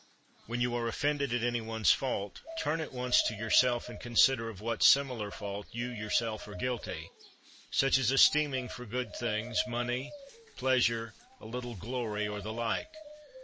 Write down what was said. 30. When you are offended at any one's fault, turn at once to yourself and consider of what similar fault you yourself are guilty; such as esteeming for good things, money, pleasure, a little glory, or the like.